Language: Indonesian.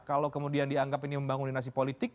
kalau kemudian dianggap ini membangun dinasti politik